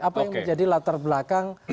apa yang menjadi latar belakang